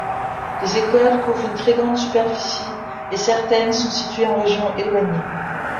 Les écoles couvrent une très grande superficie et certaines sont situées en région éloignée.